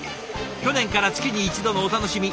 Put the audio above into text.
「去年から月に１度のお楽しみ